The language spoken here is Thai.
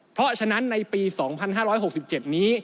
เพราะฉะนั้นในปี๒๕๖๗นี้